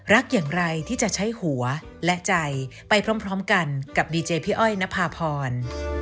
โปรดติดตามตอนต่อไป